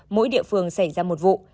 mỗi địa phương xảy ra một vụ